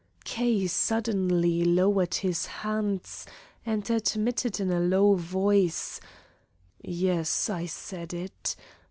K. suddenly lowered his hands and admitted in a low voice: "Yes. I said it.